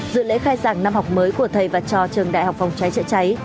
dự lễ khai sản năm học mới của thầy và cho trường đại học phòng trái trợ cháy